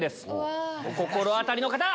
お心当たりの方！